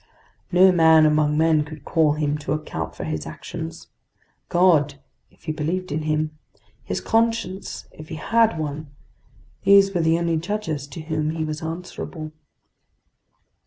No man among men could call him to account for his actions. God, if he believed in Him, his conscience if he had one—these were the only judges to whom he was answerable.